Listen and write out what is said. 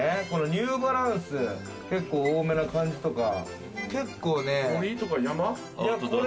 ニューバランス、結構多めな感じとか。